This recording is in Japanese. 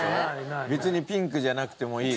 別にピンクじゃなくてもいいから。